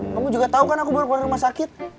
kamu juga tahu kan aku baru keluar rumah sakit